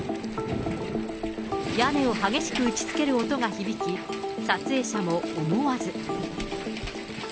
屋根を激しく打ちつける音が響き、撮影者も思わず。